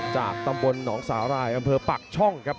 จากตำบลหนองสาหร่ายอำเภอปักช่องครับ